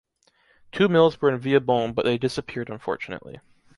Two mills were in Villebon but they disappeared unfortunately.